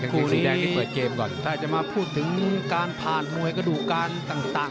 ครู่นี้ถ้ามาพูดถึงการผ่านมวยกระดูกกาลต่างต่าง